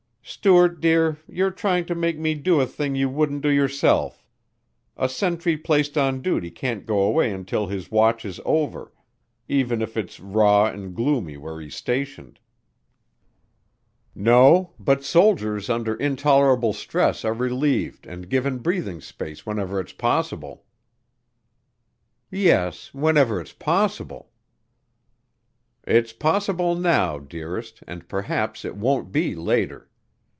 "Stuart, dear, you're trying to make me do a thing you wouldn't do yourself. A sentry placed on duty can't go away until his watch is over even if it's raw and gloomy where's he's stationed." "No, but soldiers under intolerable stress are relieved and given breathing space whenever it's possible." "Yes, whenever it's possible." "It's possible, now, dearest, and perhaps it won't be later.